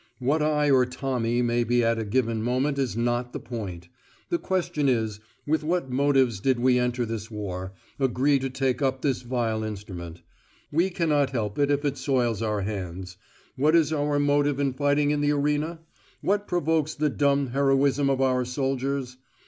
What I or Tommy may be at a given moment is not the point. The question is, with what motives did we enter this war, agree to take up this vile instrument? We cannot help if it soils our hands. What is our motive in fighting in the arena? What provokes the dumb heroism of our soldiers?